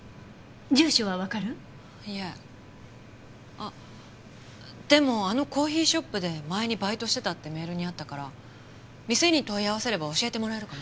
あでもあのコーヒーショップで前にバイトしてたってメールにあったから店に問い合わせれば教えてもらえるかも。